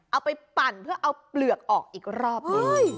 ปั่นเพื่อเอาเปลือกออกอีกรอบหนึ่ง